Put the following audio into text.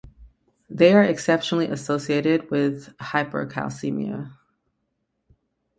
They are exceptionally associated with hypercalcemia.